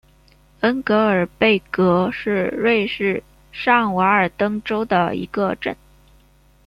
恩格尔贝格是瑞士上瓦尔登州的一个镇。